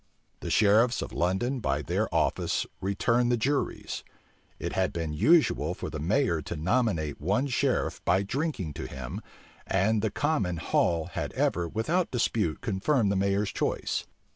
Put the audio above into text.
The sheriffs of London by their office return the juries: it had been usual for the mayor to nominate one sheriff by drinking to him; and the common hall had ever, without dispute, confirmed the mayor's choice.